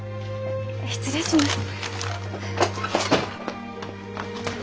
失礼します。